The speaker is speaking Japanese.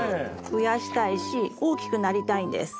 増やしたいし大きくなりたいんです。